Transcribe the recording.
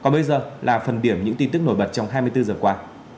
bây giờ là phần điểm những tin tức nổi bật trong hai mươi bốn h qua